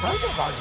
味。